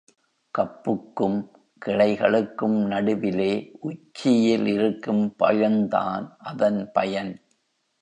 கப்புக்கும் கிளைகளுக்கும் நடுவிலே உச்சியில் இருக்கும் பழந்தான் அதன் பயன்.